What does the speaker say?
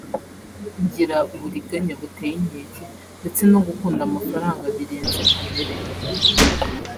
kugira uburiganya butey’inkeke ndetse no gukunda amafaranga birenze kamere